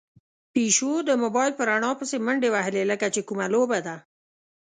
پيشو د موبايل په رڼا پسې منډې وهلې، لکه چې کومه لوبه ده.